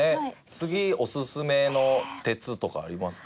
次オススメの鉄とかありますか？